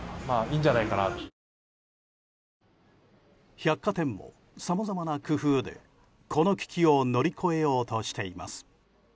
百貨店もさまざまな工夫でこの危機を乗り越えようとしています。